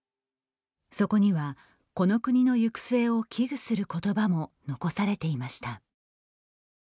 そこには、この国の行く末を危惧することばも残されていました。